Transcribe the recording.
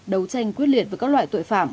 đấu tranh quyết liệt với các loại tội phạm